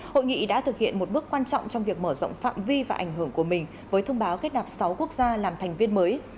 hội nghị đã thực hiện một bước quan trọng trong việc mở rộng phạm vi và ảnh hưởng của mình với thông báo kết nạp sáu quốc gia làm thành viên mới